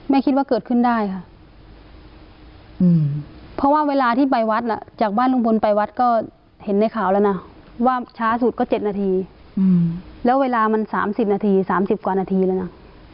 คิดว่าเกิดขึ้นได้ค่ะเพราะว่าเวลาที่ไปวัดจากบ้านลุงพลไปวัดก็เห็นในข่าวแล้วนะว่าช้าสุดก็๗นาทีแล้วเวลามัน๓๐นาที๓๐กว่านาทีแล้วนะ